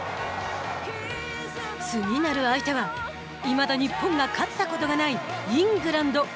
次なる相手はいまだ日本が勝ったことがないイングランド。